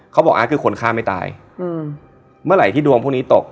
เขาบอกอัดคือคนฆ่าไม่ตายเมื่อไหร่ที่ดวงพวกนี้ตก